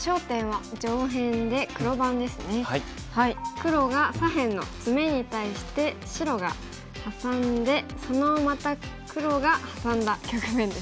黒が左辺のツメに対して白がハサんでそのまた黒がハサんだ局面ですね。